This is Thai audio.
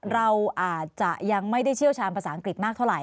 เราอาจจะยังไม่ได้เชี่ยวชาญภาษาอังกฤษมากเท่าไห